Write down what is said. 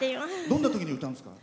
どんなときに歌うんですか？